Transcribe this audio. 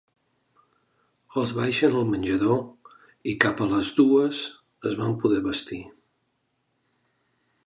Els baixen al menjador i cap a les dues es van poder vestir.